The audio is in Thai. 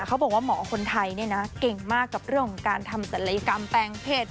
เขาบอกว่าหมอคนไทยเนี่ยนะเก่งมากกับเรื่องของการทำศัลยกรรมแปลงเพศ